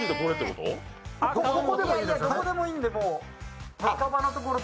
どこでもいいんで。